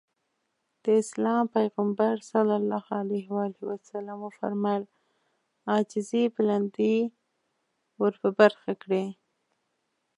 د اسلام پيغمبر ص وفرمايل عاجزي بلندي ورپه برخه کړي.